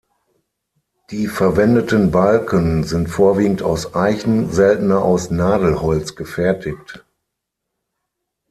Die verwendeten Balken sind vorwiegend aus Eichen-, seltener aus Nadelholz gefertigt.